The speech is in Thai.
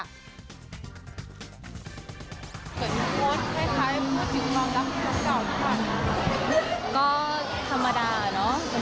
เป็นโค้ดคล้ายพูดจริงรักเจ้าทุกคน